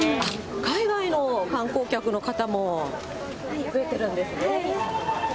海外の観光客の方も増えてるんですね。